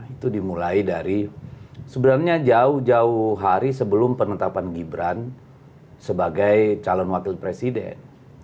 itu dimulai dari sebenarnya jauh jauh hari sebelum penetapan gibran sebagai calon wakil presiden